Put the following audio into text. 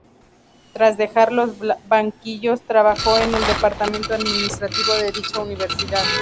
Tras dejar los banquillos, trabajó en el departamento administrativo de dicha universidad.